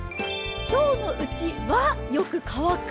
今日のうち「は」よく乾く。